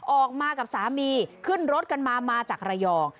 ออกมากับสามีขึ้นรถกันมามาจากระยอง